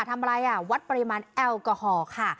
ทำอะไรอ่ะวัดปริมาณแอลกอฮอล์ค่ะ